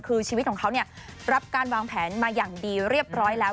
คือชีวิตของเขารับการวางแผนมาอย่างดีเรียบร้อยแล้ว